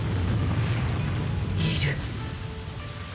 いる